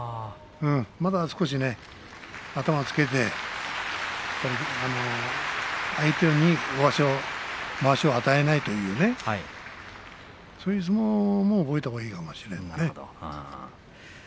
まだ少し頭つけて相手にまわしを与えないというねそういう相撲を覚えたほうがいいかもしれんね。